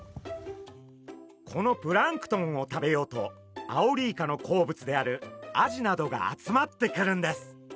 このプランクトンを食べようとアオリイカの好物であるアジなどが集まってくるんです。